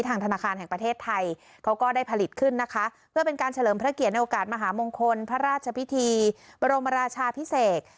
ธนาคารแห่งประเทศไทยเขาก็ได้ผลิตขึ้นนะคะเพื่อเป็นการเฉลิมพระเกียรติในโอกาสมหามงคลพระราชพิธีบรมราชาพิเศษ